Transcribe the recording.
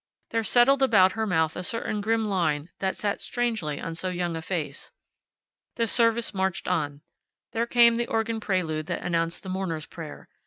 There settled about her mouth a certain grim line that sat strangely on so young a face. The service marched on. There came the organ prelude that announced the mourners' prayer.